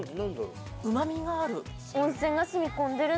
うま味がある。